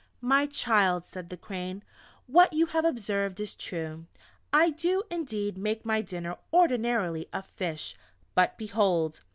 "My child," said the Crane, "what you have observed is true. I do, indeed, make my dinner ordinarily of fish, but behold!